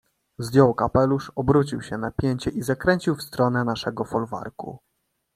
"Zdjął kapelusz, obrócił się na pięcie i zakręcił w stronę naszego folwarku."